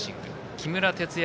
木村哲也